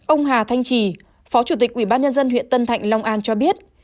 ông hà thanh trì phó chủ tịch ubnd huyện tân thạnh long an cho biết